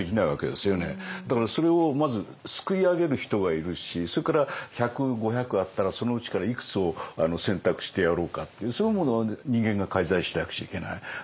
だからそれをまずすくい上げる人が要るしそれから１００５００あったらそのうちからいくつを選択してやろうかっていうそういうものは人間が介在しなくちゃいけない。